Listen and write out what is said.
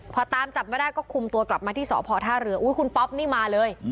พอตามจับไม่ได้ก็คุมตัวกลับมาที่สพท่าเรืออุ้ยคุณป๊อปนี่มาเลย